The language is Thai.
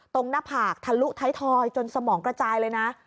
หน้าผากทะลุท้ายทอยจนสมองกระจายเลยนะ